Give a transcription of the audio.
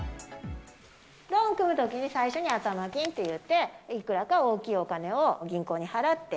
ローン組むときに最初に頭金っていって、いくらか大きいお金を銀行に払って。